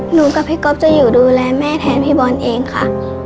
กับพี่ก๊อฟจะอยู่ดูแลแม่แทนพี่บอลเองค่ะ